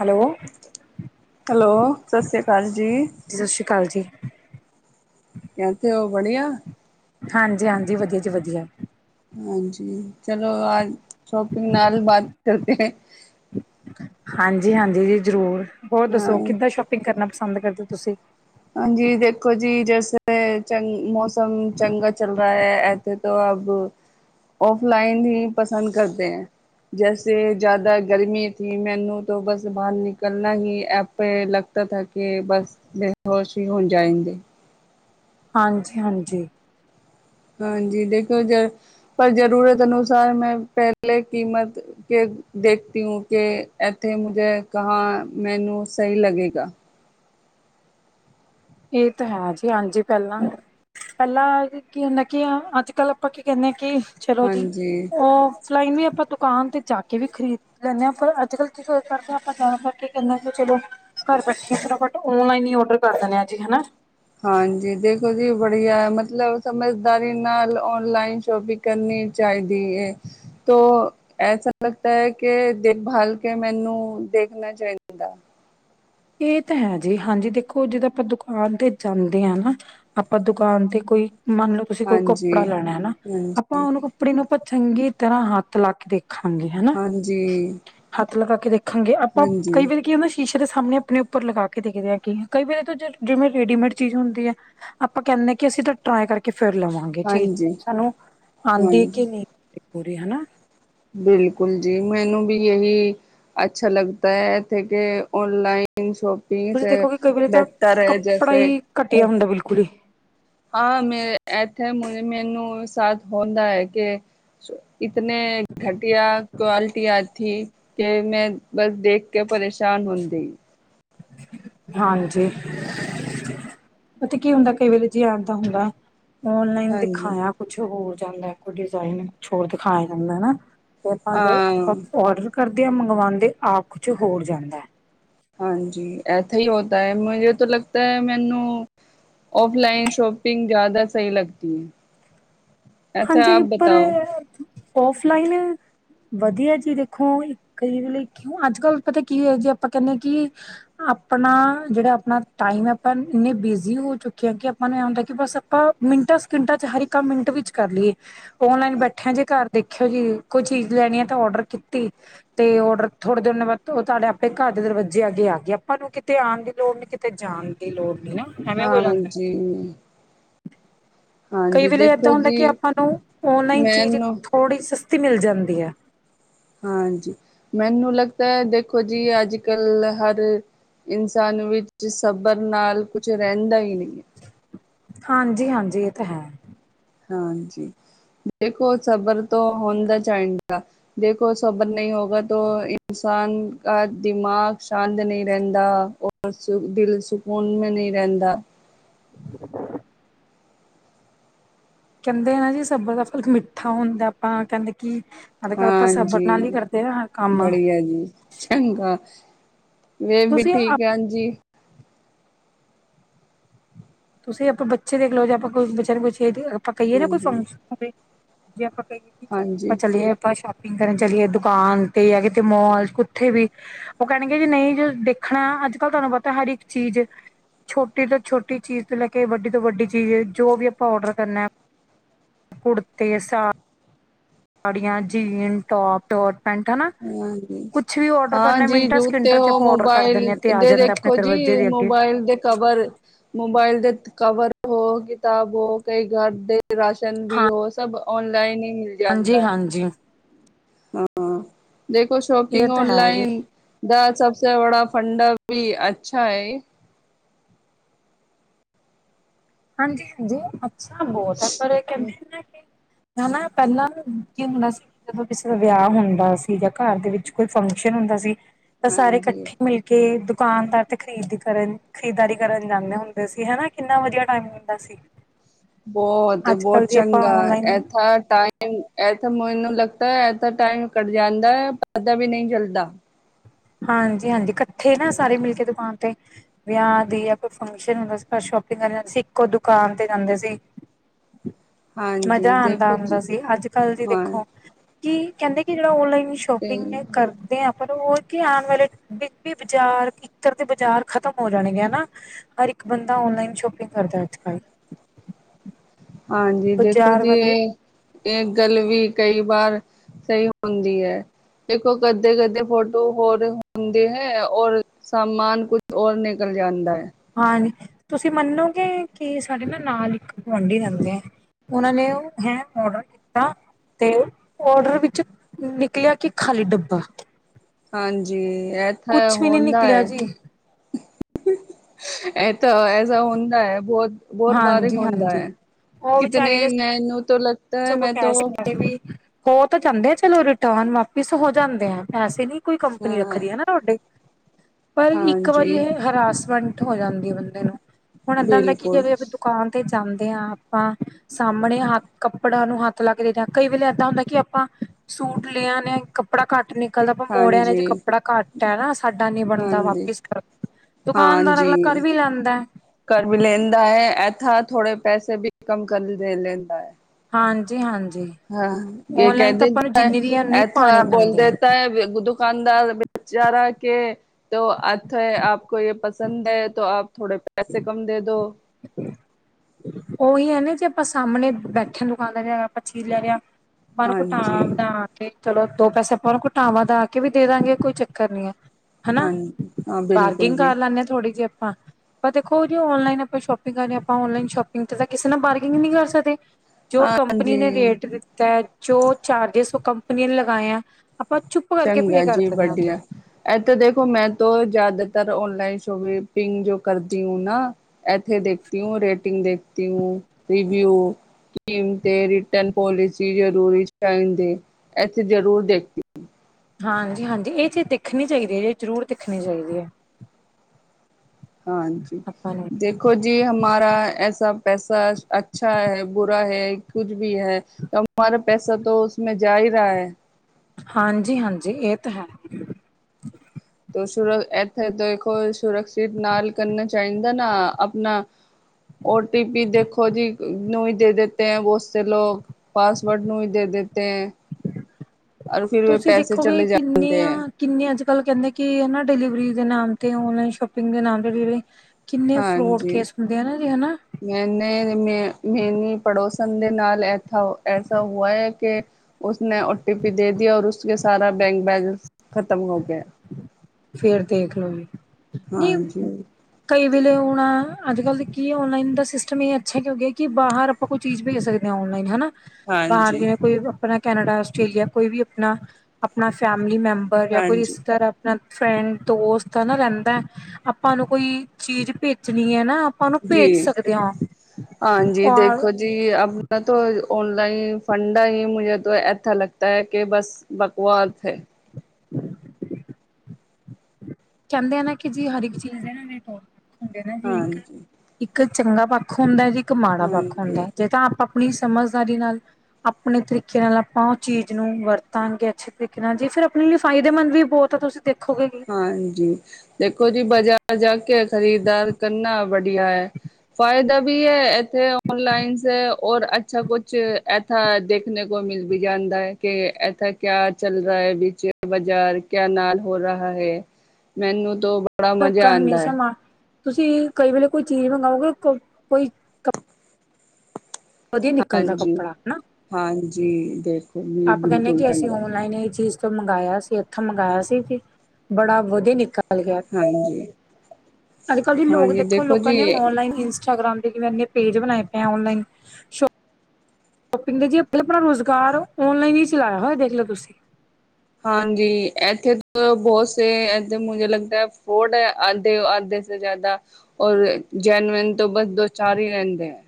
Hello hello ਸ ਸੀਆ ਕਾਲ ਜੀ [unintelligible] ਸਸ਼੍ਰੀ ਕਾਲ ਜੀ ਕੈਸੇ ਹੋ ਬੜੀਆ ਹਾਂਜੀ ਹਾਂਜੀ ਵਧੀਆ ਜੀ ਵਧੀਆ ਹਾਂਜੀ ਚਲੋ ਆਜ ਸ਼ੋਪਿੰਗ ਨਾਲ ਬਾਤ ਕਰਤੇ ਹੈ ਹਾਂਜੀ ਹਾਂਜੀ ਜੀ ਜ਼ਰੂਰ ਹੋਰ ਹਾਂ ਦੱਸੋ ਕਿੱਦਾਂ ਸ਼ੋਪਿੰਗ ਕਰਨਾ ਪਸੰਦ ਕਰਦੇ ਤੁਸੀਂ ਹਾਂਜੀ ਦੇਖੋ ਜੀ ਜੈਸੇ ਚੰ ਮੋਸ ਸਮ ਚੰਗਾ ਚੱਲ ਰਿਹਾ ਹੈ ਐਥੇ ਤੋ ਅਬ ਔਫਲਾਈਨ ਹੀ ਪਸੰਦ ਕਰਤੇ ਹੈ ਜੈਸੇ ਜ਼ਿਆਦਾ ਗਰਮੀ ਮੈਨੂੰ ਤਾਂ ਬਸ ਬਾਹਰ ਨਿਕਲਣਾ ਹੀ ਐਪੇ ਲਗ ਥ ਕਿ ਬਸ ਬੇਹੋਸ਼ ਹੀ ਹੋਣ ਜਾਏਗੇ ਹਾਂਜੀ ਹਾਂਜੀ ਹਾਂਜੀ ਦੇਖਿਓ ਜ ਪਰ ਜ਼ਰੂਰਤ ਅਨੁਸਾਰ ਮੈਂ ਪਹਿਲੇ ਕੀਮਤ ਕੇ ਦੇਖਤੀ ਹੂੰ ਕਿ ਇੱਥੇ ਮੁਝੇ ਕਹਾਂ ਮੈਨੂੰ ਸਹੀ ਲਗੇਗਾ ਇਹ ਤਾਂ ਹੈ ਜੀ ਹਾਂਜੀ ਪਹਿਲਾਂ ਪਹਿਲਾਂ ਕੀ ਹੁੰਦਾ ਕੀ ਅੱਜ ਕੱਲ ਆਪਾਂ ਕੀ ਕਹਿੰਦੇ ਹ ਕਿ ਚਲੋ ਜੀ ਹਾਂਜੀ ਉਹ [unintelligible] ਨੂੰ ਵੀ ਆਪਾਂ ਦੁਕਾਨ ਤੇ ਜਾ ਕੇ ਵੀ ਖਰੀਦ ਲੈਂਦੇ ਹਾਂ ਪਰ ਅੱਜ ਕੱਲ੍ਹ ਕੀ ਹੋੋ ਕਰਦੇ ਆਪਾਂ ਜਾਣ ਕਰਕੇ ਕਹਦੇ ਹਾਂ ਕਿ ਚਲੋ ਘਰ ਬੈਠੇ ਬਟ ਓਨਲਾਈਨ ਹੀ ਔਡਰ ਕਰ ਦਣੇ ਆ ਜੀ ਹਨਾ ਹਾਂਜੀ ਦੇਖੋ ਜੀ ਵਧੀਆ ਮਤਲਬ ਸਮਝਦਾਰੀ ਨਾਲ ਔਨਲਾਈਨ ਸ਼ੋਪਿੰਗ ਕਰਨੀ ਚਾਹੀਦੀ ਏ ਤ ਐਸਾ ਲੱਗਦਾ ਹੈ ਕਿ ਦੇਖਭਾਲ ਕੇ ਮੈਨੂੰ ਦੇਖਣਾ ਚਾਹੀਦਾ ਹੁੰਦਾ ਇਹ ਤਾਂ ਹੈ ਜੀ ਹਾਂਜੀ ਦੇਖੋ ਜਦੋਂ ਆਪਾਂ ਦੁਕਾਨ ਤੇ ਜਾਂਦੇ ਹਾਂ ਨਾ ਆਪਾਂ ਦੁਕਾਨ ਤੇ ਕੋਈ ਮੰਨ ਲਓ ਤੁਸੀਂ ਕੋਈ ਹਾਂਜੀ ਕੱਪੜਾ ਲੈਣਾ ਹਨਾ ਹਾਂਜੀ ਆਪਾਂ ਉਹਨੂੰ ਕੱਪੜੇ ਨੂੰ ਆਪਾਂ ਚੰਗੀ ਤਰ੍ਹਾਂ ਹੱਥ ਲਾ ਕੇ ਦੇਖਾਂਗੇ ਹਨਾ ਹਾਂਜੀ ਹੱਥ ਲਗਾ ਕੇ ਦੇਖ ਰੱਖਾਂਗੇ ਆਪਾਂ ਹਾਂਜੀ ਕਈ ਵਾਰੀ ਕੀ ਹੁੰਦਾ ਸ਼ੀਸ਼ੇ ਦੇ ਸਾਹਮਣੇ ਆਪਣੇ ਉੱਪਰ ਲਗਾ ਕੇ ਦੇਖਦੇ ਆਾਂ ਕਿ ਕਈ ਵਾਰੀ ਜਿਵੇਂ ਰੇਡੀਮੇਡ ਚੀਜ਼ ਹੁੰਦੀ ਹੈ ਆਪਾਂ ਕਹਿੰਦੇ ਕਿ ਅਸੀਂ ਤਾਂ ਟਰਾਈ ਕਰਕੇ ਫੇਰ ਲਵਾਂਗੇ ਚੀਜ਼ ਹਾਂਜੀ ਸਾਨੂੰ ਆਉਂਦੀ ਹਾਂਜੀ ਕਿ ਨਹੀਂ ਆਉਂਦੀ ਪੂਰੀ ਹਨਾ ਬਿਲਕੁਲ ਜੀ ਮੈਨੂੰ ਵੀ ਇਹੀ ਅੱਛਾ ਲੱਗਦਾ ਹੈਥੇਕ ਔਨਲਾਈਨ ਸ਼ੋਪ ਤੁਸੀਂ ਦੇਖੋ ਕਿ ਕਈ ਵਾਰੀ ਤਾਂ ਕੱਪੜਾ ਹੀ ਘਟੀਆ ਹੁੰਦਾ ਬਿਲਕੁਲ ਹੀ ਹਾਂ ਮੇ ਇੱਥੇ ਮੈਨੂੰ ਸਾਥ ਹੁੰਦਾ ਹੈ ਕਿ ਇਤਨੀ ਘਟੀਆ ਕੁਆਲਟੀ ਆਈ ਥੀ ਕਿ ਮੈਂ ਬਸ ਦੇਖ ਕੇ ਪਰੇਸ਼ਾਨ ਹੁੰਦੀ ਹਾਂਜੀ [unintelligible] ਪਤਾ ਕੀ ਹੁੰਦਾ ਕਈ ਵੇਲੇ ਜੀ ਆਣ ਦਾ ਹੁੰਦਾ ਓਨਲਾਈਨ ਹਾਂਜੀ ਦਿਖਾਇਆ ਕੁਛ ਹੋਰ ਜਾਂਦਾ ਕੋ ਡਿਜ਼ਾਇਨ ਕੁਛ ਹੋਰ ਦਿਖਾਇਆ ਜਾਂਦਾ ਹਨਾ ਤੇ ਆਪਾਂ ਜੋ ਹਾਂ ਆਪਾਂ ਔਡਰ ਕਰਦੇ ਹਾਂ ਮੰਗਵਾਉਣਦੇ ਆ ਕੁਛ ਹੋਰ ਜਾਂਦਾ ਹਾਂਜੀ ਇੱਥੇ ਹੀ ਹੋਤਾ ਹੈ ਮੁਜ਼ੇ ਤੋਂ ਲੱਗਦਾ ਹੈ ਮੈਨੂੰ ਔਫਲਾਈਨ ਸ਼ੋਪਿੰਗ ਜ਼ਿਆਦਾ ਸਹੀ ਲਗਦੀ ਐ ਹਾਂਜੀ ਪਰ ਔਫਲਾਈਨ ਵਧੀਆ ਜੀ ਦੇਖੋ ਕਈ ਵ ਲਈ ਕਿ ਅੱਜ ਕੱਲ ਪਤਾ ਕੀ ਹੋਇਆ ਜੇ ਆਪਾਂ ਕਹਿੰਦੇ ਕਿ ਆਪਣਾ ਜਿਹੜਾ ਆਪਣਾ ਟਾਈਮ ਆਪਾਂ ਇੰਨੇ ਬਿਜੀ ਹੋ ਚੁੱਕੇ ਹਾਂ ਕਿ ਆਪਾਂ ਨੂੰ ਇਹ ਹੁੰਦਾ ਕਿ ਬਸ ਆਪਾਂ ਮਿੰਟਾਂ ਸਕਿੰਟਾਂ ਚ ਹਰਕਾ ਮਿੰਟ ਵਿੱਚ ਕਰ ਲਈਏ ਓਨਲਾਈਨ ਬੈਠਿਆ ਜੇ ਘਰ ਦੇਖਿਓ ਜੀ ਕੋਈ ਚੀਜ਼ ਲੈਣੀ ਆ ਤਾਂ ਔਡਰ ਕੀਤੀ ਤੇ ਔਡਰ ਥੋੜੇ ਦਿਨ ਬਾਅਦ ਉਹ ਤੁਹਾਡੇ ਆਪੇ ਘਰ ਦੇ ਦਰਵਾਜੇ ਅਗੇ ਆ ਗਏ ਆਪਾਂ ਨੂੰ ਕਿਤੇ ਆਉਣ ਦੀ ਲੋੜ ਨ ਤੇ ਜਾਣ ਦੀ ਲੋੜ ਵੀ ਨਾ ਐਵੇਂ ਹੋ ਜਾਂਦਾ ਹਾਂਜੀ ਕਈ ਵੇਲੇ ਦੇਖੋ ਇਦਾਂ ਹੁੰਦਾ ਜੀ ਕਿ ਆਪਾਂ ਨੂੰ ਔਨਲਾਈਨ ਚੀਜ਼ ਮੈਨੂੰ ਥੋੜ੍ਹੀ ਸਸਤੀ ਮਿਲ ਜਾਂਦੀ ਐ ਹਾਂਜੀ ਮੈਨੂੰ ਲੱਗਦਾ ਹੈ ਦੇਖੋ ਜੀ ਅੱਜ ਕੱਲ ਹਰ ਇਨਸਾਨ ਵਿੱਚ ਸਬਰ ਨਾਲ ਕੁਛ ਰਹਿੰਦਾ ਹੀ ਨਹੀਂ ਹੈ ਹਾਂਜੀ ਹਾਂਜੀ ਇਹ ਤਾਂ ਹੈ ਹਾਂਜੀ ਦੇਖੋ ਸਬਰ ਤੋਂ ਹੁੰਦਾ ਚਾ ਦੇਖੋ ਸਬਰ ਨਹੀਂ ਹੋਗਾ ਤਾਂ ਇਨਸਾਨ ਕ ਦਿਮਾਗ ਸ਼ਾਂਤ ਨਹੀਂ ਰਹਿੰਦਾ ਸੁ ਦਿਲ ਸਕਕੂਨ ਮੈਂ ਨਹੀਂ ਰਹਿੰਦਾ [inaudible] ਕਹਿੰਦੇ ਨਾ ਜੀ ਸਬਰ ਦਾ ਫਲਕ ਮਿੱਠਾ ਹੁੰਦਾ ਆਪਾਂ ਕਹਿੰਦੇ ਕੀ ਅੱਜ ਕੱਲ੍ਹ ਆਪਾਂ ਸਬਰ ਹਾਂਜੀ ਨਾਲ ਈ ਕਰਦੇ ਹਾਂ ਕੰਮ ਬੜੀਆ ਜੀ ਚੰਗਾ, ਵੇ ਵੀ ਤੁਸੀਂ ਠੀਕ ਆ ਹਾਂਜੀ ਤੁਸੀਂ ਆਪਾਂ ਬੱਚੇ ਦੇਖ ਲਓ ਜੇ ਆਪਾਂ ਕੋਈ ਬੱਚਿਆਂ ਨੂੰ ਪੁਛੀਏ ਆਪਾਂ ਕਹੀਏ ਨਾ ਕੋਈ ਹਾਂਜੀ ਫੰਕਸ਼ਨ ਜੇ ਆਪਾਂ ਕਹੀਏ ਕਿ ਚਲੋ ਆਪਾਂ ਹਾਂਜੀ ਚਲੀਏ ਆਪਾਂ ਸ਼ੋਪਿੰਗ ਕਰਨ ਚਲੀਏ ਦੁਕਾਨ ਤੇ ਜਾਂ ਕਿਤੇ ਮੋਲ ਕਿੱਥੇ ਵੀ ਉਹ ਕਹਿਣਗੇ ਜੀ ਨਹੀਂ ਜੋ ਦੇਖਣਾ ਅੱਜ ਕੱਲ੍ਹ ਤੁਹਾਨੂੰ ਪਤਾ ਹਰ ਇੱਕ ਚੀਜ਼ ਛੋਟੀ ਤੋਂ ਛੋਟੀ ਚੀਜ਼ ਤੋਂ ਲੈ ਕੇ ਵੱਡੀ ਤੋਂ ਵੱਡੀ ਚੀਜ਼ ਜੋ ਵੀ ਆਪਾਂ ਆਰਡਰ ਕਰਨਾ ਕੁੜਤੇ ਸਾ ਸਾੜੀਆਂ, ਜੀਨ, ਟੋਪ ਟ ਪੈਂਦਾ ਨਾ, ਹਾਂਜੀ ਕੁਛ ਵੀ ਆਰਡਰ ਹਾਂ ਕਰਨਾ ਜੀ ਮਿੰਟਾਂ ਜੂਤੇ ਸਕਿੰਟਾ ਚ ਹੋ ਆਪਾਂ ਆਰਡਰ ਕਰ ਮੋਬਾਇਲ ਦਿੰਦੇ ਹਾਂ ਤੇ ਆ ਦੇ ਜਾਂਦਾ ਆਪਣੇ ਦੇਖੋ ਜੀ ਦਰਵਾਜੇ ਦੇ ਅੱਗੇ ਮੋਬਾਇਲ ਦੇ ਕਵਰ, ਮੋਬਾਇਲ ਦੇ ਕਵਰ ਹੋ ਕਿਤਾਬ ਹੋ ਕਈ ਘਰ ਦੇ ਰਾਸ਼ਨ ਵੀ ਹੋ ਸਭ ਔਨਲਾਈਨ ਹੀ ਮਿਲ ਜਾਂਦਾ ਹਾਂਜੀ- ਹੈ ਹਾਂਜੀ ਹਾਂ, ਦੇਖੋ ਇਹ ਸ਼ੋਪਿੰਗ ਤਾਂ ਹੈ ਜੀ ਔਨਲਾਈਨ ਦਾ ਸਭ ਸੇ ਬੜਾ ਫੰਡਾ ਵੀ ਅੱਛਾ ਹੈ ਹਾਂਜੀ- ਹਾਂਜੀ ਅੱਛਾ ਬਹੁਤ ਹੈ ਪਰ ਕਹਿੰਦੇ ਨਾ ਕਿ ਹਨਾ ਪਹਿਲਾਂ ਕੀ ਹੁੰਦਾ ਸੀ ਜਦੋਂ ਕਿਸੇ ਦਾ ਵਿਆਹ ਹੁੰਦਾ ਸੀ ਜਾਂ ਘਰ ਦੇ ਵਿੱਚ ਕੋਈ ਫੰਕਸ਼ਨ ਹੁੰਦਾ ਸੀ ਤਾਂ ਸਾਰੇ ਹਾਂਜੀ ਇਕੱਠੇ ਮਿਲ ਕੇ ਕੇ ਦੁਕਾਨਦਾਰ ਤੇ ਖਰੀਦੀ ਕਰਨ ਖਰੀਦਾਰੀ ਕਰਨ ਜਾਂਦੇ ਹੁੰਦੇ ਸੀ ਹਨਾ ਕਿੰਨਾ ਵਧੀਆ ਟਾਈਮ ਹੁੰਦਾ ਸੀ ਬਹੁਤ, ਅੱਜ-ਕੱਲ ਬਹੁਤ ਜੇ ਆਪਾਂ ਚੰਗਾ ਔਨਲਾਈਨ ਇੱਥਾ ਟਾਈਮ ਇਥੇ ਮੈਨੂੰ ਲੱਗਦਾ ਇਥੇ ਟਾਈਮ ਕੱਟ ਜਾਂਦਾ ਹੈ ਪਤਾ ਵੀ ਨਹੀਂ ਚੱਲਦਾ ਹਾਂਜੀ -ਹਾਂਜੀ ਇਕੱਠੇ ਨਾ ਸਾਰੇ ਮਿਲ ਕੇ ਦੁਕਾਨ ਤੇ ਵਿਆਹ ਦੀ ਜਾਂ ਕੋਈ ਫੰਕਸ਼ਨ ਹੁੰਦਾ ਸੀ ਤਾਂ ਸ਼ੋਪਿੰਗ ਕਰਨ ਇੱਕੋ ਦੁਕਾਨ ਤੇ ਜਾਂਦੇ ਸੀ ਮਜ਼ਾ ਹਾਂਜੀ ਆਉਂਦਾ- ਦੇਖੋ ਆਉਂਦਾ ਜੀ ਸੀ ਅੱਜ ਕੱਲ੍ਹ ਜੀ ਹਾਂ ਦੇਖੋ ਕਿ ਕਹਿੰਦੇ ਕਿ ਜਿਹੜਾ ਔਨਲਾਈਨ ਸ਼ੋਪਿੰਗ ਹੈ ਤੇ ਕਰਦੇ ਹਾਂ ਪਰ ਉਹ ਕਿ ਆਉਣ ਵਾਲੇ ਬੀ ਬਾਜ਼ਾਰ, ਇੱਕਤਰ ਦੇ ਬਾਜ਼ਾਰ ਖ਼ਤਮ ਹੋ ਜਾਣਗੇ ਹਨਾ ਹਰ ਇੱਕ ਬੰਦਾ ਔਨਲਾਈਨ ਸ਼ੋਪਿੰਗ ਕਰਦਾ ਅੱਜ- ਕੱਲ੍ਹ ਹਾਂਜੀ ਦੇਖੋ ਬਾਜ਼ਾਰ ਜੀ, ਵਾਲੇ ਇਹ ਗੱਲ ਵੀ ਕਈ ਵਾਰ ਸਹੀ ਹੁੰਦੀ ਹੈ, ਦੇਖੋ ਕਦੇੇ -ਕਦੇ ਫੋਟੋ ਹੋਰ ਹੁੰਦੇ ਹੈ ਔਰ ਸਾਮਾਨ ਕੁਝ ਔਰ ਨਿਕਲ ਜਾਂਦਾ ਹੈ ਹਾਂਜੀ, ਤੁਸੀਂ ਮੰਨੋਗੇ ਕਿ ਸਾਡੇ ਨਾਲ ਇੱਕ ਗੁਆਂਢੀ ਰਹਿੰਦੇ ਹੈ ਉਹਨਾਂ ਨੇ ਹੈ ਆਰਡਰ ਕੀਤਾ ਤੇ ਆਰਡਰ ਵਿੱਚ ਨਿਕਲਿਆ ਕੀ ਖਾਲੀ ਡੱਬਾ ਹਾਂਜੀ, ਇਥੇ ਕੁਛ ਵੀ ਨੀ ਹੋਣ ਦਾ ਨਿਕਲਿਆ ਹੈ ਜੀ ਇਹ ਤਾਂ ਐਸਾ ਹੁੰਦਾ ਹੈ ਬਹੁਤ ਬਹੁਤ ਵਾਰੀ ਹਾਂਜੀ ਹੁੰਦਾ ਹਾਂਜੀ ਹੈ, ਕਿਤਨੈ ਮੈਨੂੰ ਤੋਂ ਲਗ ਗੋਂ ਪੈਸੇ ਵੀ, ਹੋ ਤਾਂ ਜਾਂਦੇ ਆ ਚਲੋ ਰਿਟਰਨ ਵਾਪਿਸ ਹੋ ਜਾਂਦੇ ਆ ਪੈਸੇ ਨੀ ਕੋਈ ਕੰਪਨੀ ਹਾਂ ਰੱਖਦੀ ਹੈ ਨਾ ਤੁਹਾਡੇ, ਪਰ ਇੱਕ ਵਾਰੀ ਹਾਂਜੀ ਇਹ ਹਰਾਸਮੈਂਟ ਹੋ ਜਾਂਦੀ ਹੈ ਬੰਦੇ ਨੂੰ, ਹੁਣ ਏਦਾਂ ਦਾ ਕਿ ਬਿਲਕੁਲ ਜ ਦੁਕਾਨ ਤੇ ਜਾਂਦੇ ਹਾਂ ਆਪਾਂ, ਸਾਹਮਣੇ ਹੱਥ ਕੱਪੜਾ ਨੂੰ ਹੱਥ ਲਾ ਕੇ ਦੇ ਦਿਆ, ਕਈ ਵੇਲੇ ਏਦਾਂ ਹੁੰਦਾ ਕਿ ਆਪਾਂ ਸੂਟ ਲਿਆ ਨੇ ਕੱਪੜਾ ਘੱਟ ਨਿਕਲਦਾ ਪਰਾਂ ਮੋੜਿਆਂ ਨੇ ਜੇ ਹਾਂਜੀ ਕੱਪੜਾ ਘੱਟ ਹੈ ਨਾ ਸਾਡਾ ਨੀ ਬਣਦਾ ਹਾਂਜੀ ਵਾਪਿਸ ਕਰ ਦੁਕਾਨਦਾਰ ਅਗਲਾ ਘਰ ਹਾਂਜੀ ਵੀ ਲੈਂਦਾ ਕਰ ਵੀ ਲੈਂਦਾ ਹੈ, ਇਥਾ ਥੋੜੇ ਪੈਸੇ ਵੀ ਕਮ ਕਰ ਲੈਂਦਾ ਹੈ ਹਾਂਜੀ -ਹਾਂਜੀ ਹਾਂ ਔਨਲਾਈਨ ਕਹਿੰਦੇ, ਤਾਂ ਆਪਾਂ ਨੂੰ ਜਿੰਨੀ ਦੀਆਂ ਨਹੀਂ ਪਾਉਣੇ ਇਥਾਂ ਪੈਂਦੇ ਬੋਲਦੇ ਆ ਹੈ ਦੁਕਾਨਦਾਰ ਬੇਚਾਰਾ ਕੇ ਅੱਥਾ ਹੈ ਆਪ ਕੋ ਇਹ ਪਸੰਦ ਹੈ ਤਾਂ ਆਪ ਥੋੜੇ ਪੈਸੇ ਕਮ ਦੇ ਦੋ ਉਹੀ ਹੈ ਨਾ ਜੇ ਆਪਾਂ ਸਾਹਮਣੇ ਬੈਠੇ ਦੁਕਾਨਦਾਰ ਆਪਾਂ ਚੀਜ ਲੈ ਲਿਆ ਆਪਾਂ ਨੂੰ ਘਟਾ ਵਢਾ ਕੇ ਚਲੋ ਦੋ ਪੈਸੇ ਆਪਾਂ ਉਹ ਨੂੰ ਘੁਟਾਵਾਂ ਕੇ ਵੀ ਦੇ ਦਾਂਗੇ ਕੋਈ ਚੱਕਰ ਨੀ ਹੈ। ਹਨਾ ਪਾਰਕਿੰਗ ਕਰ ਲੈਂਦੇ ਹਾਂ ਥੋੜੀ ਜਿਹੀ ਆਪਾਂ। ਪਰ ਦੇਖੋ ਜੀ ਔਨਲਾਈਨ ਆਪਾਂ ਸ਼ੋਪਿੰਗ ਕਰੀ ਹ ਆਪਾਂ ਔਨਲਾਈਨ ਸ਼ੋਪਿੰਗ ਤੇ ਤਾਂ ਕਿਸੇ ਨਾਲ ਬਾਰਗਿੰਗ ਨਹੀਂ ਕਰ ਸਕਦੇ। ਜੋ ਕੰਪਨੀ ਨੇ ਰੇਟ ਦਿੱਤਾ ਹੈ ਜੋ ਚਾਰਜਿਸ ਉਹ ਕੰਪਨੀ ਨੇ ਲਗਾਏ ਆ। ਆਪਾਂ ਚੁੱਪ ਕਰਕੇ ਪੇ ਕਰ ਦਿੰਨੇ ਹਾਂ ਉੱਥੇ। ਇਥੇ ਦੇਖੋ ਮੈਂ ਤਾਂ ਜ਼ਿਆਦਾਤਰ ਔਨਲਾਈਨ ਸ਼ੋਪਿੰਗ ਜੋ ਕਰਦੀ ਹੂੰ ਨਾ ਇੱਥੇ ਦੇਖਤੀ ਹੂੰ, ਰੇਟਿੰਗ ਦੇਖਤੀ ਹੂੰ, ਰਿਵਿਊ ਸਕੀਮ ਤੇ ਰਿਟਰਨ ਪੋਲਸੀ ਜ਼ਰੂਰੀ ਚਾਹੀਦੇ ਇਥੇ ਜ਼ਰੂਰ ਦੇਖੀ ਹਮ ਹਾਂਜੀ, ਹਾਂਜੀ ਇਹ ਚੀਜ਼ ਦੇਖਣੀ ਚਾਹੀਦੀ ਹੈ ਜ ਜ਼ਰੂਰ ਦੇਖਣੀ ਚਾਹੀਦੀ ਹੈ। ਹਾਂਜੀ, ਆਪਾਂ ਨੂੰ ਦੇਖ ਦੇਖੋ ਜੀ ਹਮਾਰਾ ਐਸਾ ਪੈਸਾ ਅੱਛਾ ਹੈ ਬੁਰਾ ਹੈ ਕੁਝ ਵੀ ਹੈ ਹਮਾਰਾ ਪੈਸਾ ਤਾਂ ਉਸਮੇ ਜਾ ਹੀ ਰਿਹਾ ਹੈ। ਹਾਂਜੀ, ਹਾਂਜੀ ਇਹ ਤਾਂ ਹੈ। ਸੁਰ ਇੱਥੇ ਦੇਖੋ ਸੁਰੱਖਿਤ ਨਾਲ ਕਰਨਾ ਚਾਹੀਦਾ ਨਾ ਆਪਣਾ। ਓ ਟੀ ਪੀ ਦੇਖੋ ਜੀ ਨੋ ਹੀ ਦੇ ਦੇਤੇ ਹੈ ਬਹੁਤ ਸੇ ਲੋਕ। ਪਾਸਵਰਡ ਨੂੰ ਵੀ ਦੇ ਦਿੱਤੇ ਹੈ ਰ ਫਿਰ ਵੀ ਤੁਸੀਂ ਪੈਸੇ ਦੇਖੋਗੇ ਚਲੇ ਜਾਂਦੇ ਕਿੰਨੀਆਂ ਹੈ। ਕਿੰਨੇ ਅੱਜ ਕੱਲ ਕਹਿੰਦੇ ਕਿ ੳਹ ਨਾ ਡਿਲੀਵਰੀ ਦੇ ਨਾਮ ਤੇ ਔਨਲਾਈਨ ਸ਼ੋਪਿੰਗ ਦੇ ਨਾਮ ਤੇ ਡਲੀਵਰੀ ਕਿੰਨੇ ਫਰੋਡ ਹਾਂਜੀ ਕੇਸ ਹੁੰਦੇ ਹੈ ਨਾ ਜੀ ਹੈ ਨਾ ਮੈਨੇ ਮੇ ਮੇਨੀ ਪੜੋਸਣ ਦੇ ਨਾਲ ਇਥਾ ਐਸਾ ਹੋਆ ਹੈ ਕਿ ਉਸਨੇ ਓ ਟੀ ਪੀ ਦੇ ਦਿਯਾ ਔਰ ਉਸ ਕੇ ਸਾਰਾ ਬੈਂਕ ਬੈਲੇੈਂਸ ਖਤਮ ਹੋ ਗਿਆ। ਫਿਰ ਦੇਖ ਲਓ ਜ ਨਹੀਂ। ਹਾਂਜੀ ਕਈ ਵੇਲੇ ਹੋਣਾ ਅੱਜ ਕੱਲ੍ਹ ਕੀ ਔਨਲਾਈਨ ਦਾ ਸਿਸਟਮ ਇਹ ਅੱਛਾ ਕਿਉ ਹੋ ਗਿਆ ਕਿ ਬਾਹਰ ਆਪਾ ਕੋਈ ਚੀਜ਼ ਭੇਜ ਸਕਦੇ ਆ ਔਨਲਾਈਨ ਹਨਾ। ਬਾਹਰ ਹਾਂਜੀ ਜਿਵੇਂ ਕੋਈ ਆਪਣਾ ਕੈਨੇਡਾ ਆਸਟ੍ਰੇਲੀਆ ਕੋਈ ਵੀ ਆਪਣਾ ਆਪਣਾ ਫੈਮਲੀ ਮੈਂਬਰ ਬਾਹਰ ਗਿਆ ਕੋਈ ਹਾਂਜੀ ਰਿਸ਼ਤੇਦਾਰ ਨਾ ਫਰੈਂਡ ਦੋਸਤ ਹਨ ਨਾ ਰਹਿੰਦਾ ਆਪਾਂ ਨੂੰ ਕੋਈ ਚੀਜ਼ ਭੇਜਣੀ ਹੈ। ਨਾ ਉਹ ਨੂੰ ਭੇਜ ਜੀ ਸਕਦੇ ਹਾਂ ਹਾਂਜੀ ਔਰ ਦੇਖੋ ਜੀ ਆਪਣਾ ਤਾਂ ਔਨਲਾਈਨ ਫੰਡਾ ਹੀ ਮੁੇ ਤਾਂ ਐੱਥਾ ਲਗਦਾ ਹੈ ਕਿ ਬਸ ਬਕਵਾਸ ਹੈ। ਕਹਿੰਦੇ ਆ ਨਾ ਕਿ ਜੀ ਹਰ ਇੱਕ ਚੀਜ਼ ਹੁੰ ਜੀ ਇੱਕ ਹਾਂਜੀ ਇੱਕ ਚੰਗਾ ਪੱਖ ਹੁੰਦਾ ਹੈ ਤੇ ਇੱਕ ਮਾੜਾ ਪੱਖ ਹਾਂਜੀ ਹੁੰਦਾ ਹੈ ਜੇ ਤਾਂ ਆਪ ਆਪਣੀ ਸਮਝਦਾਰੀ ਨਾਲ ਆਪਣੇ ਤਰੀਕੇ ਨਾਲ ਆਪਾਂ ਉਹ ਚੀਜ਼ ਨੂੰ ਵਰਤਾਂਗੇ ਅੱਛ ਦੇਖਣਾ ਜੀ ਫਿਰ ਆਪਣੇ ਲਈ ਫਾਇਦੇਮੰਦ ਵੀ ਬਹੁਤ ਆ ਤੁਸੀਂ ਦੇਖੋਗੇ। ਹਾਂਜੀ, ਦੇਖੋ ਜੀ ਬਾਜ਼ਾਰ ਜਾ ਕੇ ਖਰੀਦ ਦਾਰ ਕਰਨਾ ਬੜੀਆ ਹੈ। ਫਾਇਦਾ ਵੀ ਹੈ ਇੱਥੇ ਔਨਲਾਈਨ ਸੇ ਔਰ ਅੱਛਾ ਕੁਛ ਹਾ ਦੇਖਨ ਕੋ ਮਿਲ ਵੀ ਜਾਂਦਾ ਹੈ ਕਿ ਥਾ ਕਿਆ ਚਲ ਰਿਹਾ ਹੈ ਬੀਚ ਬਾਜ਼ਾਰ ਕਿਆ ਨਾਲ ਹੋ ਰਿਹਾ ਹੈ ਮੈਨੂੰ ਤੋਂ ਬੜਾ ਮਜ਼ਾ ਲੋਕਾਂ ਆਉਂਦਾ ਹਮੇਸ਼ਾ ਹੈ। ਮਾਂ ਤੁਸੀਂ ਕਈ ਵੇਲੇ ਕੋਈ ਚੀਜ਼ ਮੰਗਵਾਓਗੇ ਕੋਈ ਵਧੀਆ ਨਿਕਲਦਾ ਹਾਂਜੀ ਕੱਪੜਾ ਹਨਾ ਹਾਂਜੀ ਦੇਖੋ ਜੀ ਆਪ ਕਹਿੰਦੇ ਬਿਲਕੁਲ ਕਿ ਅਸੀਂ ਚੰਗਾ ਓਨਲਾਈਨ ਇਹ ਚੀਜ਼ ਮੰਗਾਇਆ ਸੀ ਇੱਥੋ ਮੰਗਾਇਆ ਸੀ ਕਿ ਬੜਾ ਵਧੀਆ ਨਿਕਲ ਗਿਆ ਹਾਂਜੀ। ਅੱਜ ਕੱਲ੍ਹ ਦੀ ਲੋਕ ਹਾਂਜੀ ਦੇਖੋ ਲੋਕਾਂ ਨੇ ਜੀ ਔਨਲਾਈਨ ਇੰਸਟਾਗ੍ਰਾਮ ਦੇ ਕਿਵੇਂ ਇ ਪੇਜ ਬਣਾਏ ਪਏ ਆ ਔਨਲਾਈਨ ਸ਼ੋ ਸ਼ੋਪਿੰਗ ਦੇ ਜੀ ਆਪਣਾ ਰੋਜ਼ਗਾਰ ਔਨਲਾਈਨ ਹੀ ਚਲਾਇਆ ਹੋਇਆ ਦੇਖ ਲਓ ਤੁਸੀਂ। ਹਾਂਜੀ ਇੱਥੇ ਬਹੁਤ ਸੇ ਇੱਥੇ ਮੁ ਲੱਗਦਾ ਫੋਰਟ ਹੈ ਆਧੇ ਆਧ ਜ਼ਿਆਦਾ ਔਰ ਜੈਨਵਨ ਤੋਂ ਬਸ ਦੋ ਚਾਰ ਹੀ ਰਹਿੰਦੇ ਹੈ।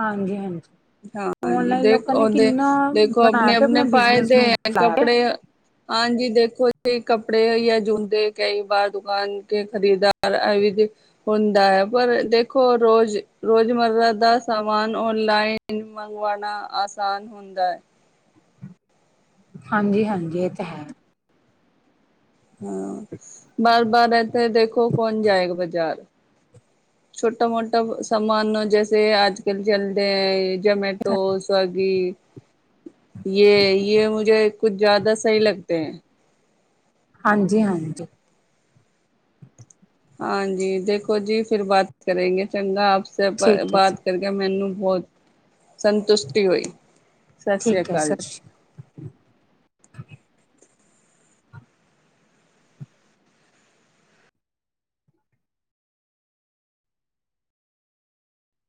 ਹਾਂਜੀ, ਹਾਂਜੀ। ਹਾਂਜੀ ਔਨਲਾਈਨ ਦੇਖ ਲੋਕਾਂ ਨੇ ਉਹਦੇ ਕਿੰਨਾ ਦੇਖੋ ਆਪਣੇ ਬਣਾਇਆ ਪਿਆ ਆਪਣੇ ਆਪਣਾ ਬਿਜਨਸ ਫਾਇਦੇ ਨੂੰ ਹੈ ਫੈਲਾਇਆ ਕੱਪੜੇ ਹਾਂਜੀ ਦੇਖੋ ਜ ਕੱਪੜੇ ਆ ਜੂੰਦੇ ਕਈ ਵਾਰ ਦੁਕਾਨ ਦੇ ਖਰੀਦਾਰ। ਆਯੁਰਵਦ [inaudible] ਹੁੰਦਾ ਹੈ ਪਰ ਦੇਖੋ ਰੋਜ਼ ਰੋਜ਼ ਮਰਦਾ ਦਾ ਸਮਾਨ ਔਨਲਾਈਨ ਨ [unintelligible] ਮੰਗਵਾਣਾ ਆਸਾਨ ਹੁੰਦਾ ਐ ਹਾਂਜੀ ਹਾਂਜੀ ਇਹ ਤ ਹੈ ਹਾਂ ਬਾਰ ਬਾਰ ਐਥੇ ਦੇਖੋ ਕੌਣ ਜਾਏਗਾ ਬਜ਼ਾਰ ਛੋਟਾ ਮੋਟਾ ਸਾਮਾਨ ਜੈਸੇ ਆਜ ਕੱਲ ਚਲਦੇ ਐ ਏ ਜੋਮੈਟੋਸ ਗੀ ਯੇ ਯੇ ਮੁਝੇ ਕੁੱਛ ਜ਼ਿਆਦਾ ਸਹੀ ਲਗਤੇ ਹੈ ਹਾਂਜੀ ਹਾਂਜੀ ਹਾਂਜੀ ਦੇਖੋ ਜੀ ਫਿਰ ਬਾਤ ਕਰੇਗੇ ਚੰਗਾ ਆਪਸੇ ਬ ਠੀਕ ਹੈ ਬਾਤ ਜੀ ਕਰਕੇ ਮੈਨੂੰ ਬਹੁਤ ਸੰਤੁਸ਼ਟੀ ਹੋਈ ਸਸੀਆ ਠੀਕ ਹੈ ਕਾਲ ਸਤਿ ਸ਼੍ਰੀ